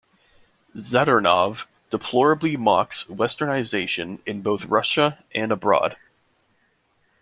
Zadornov deplorably mocks westernization in both Russia and abroad.